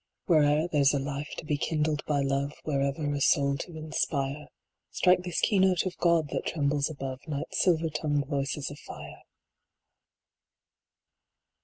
" Where er there s a life to be kindled by love, Wherever a soul to inspire, Strike this key note of God that trembles above Night s silver tongued voices of fire."